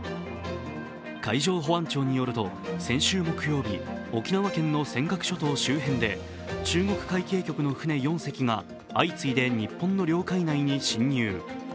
海上保安庁によると先週木曜日、沖縄県の尖閣諸島周辺で中国海警局の船４隻が相次いで日本の領海内に侵入。